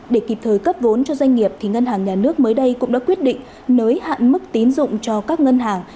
để kịp thời cấp vốn cho doanh nghiệp ngân hàng nhà nước mới đây cũng đã quyết định nới hạn mức tín dụng cho các ngân hàng